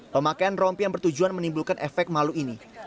pemakaian rompi yang bertujuan menimbulkan efek malu ini